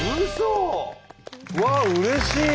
うわうれしい！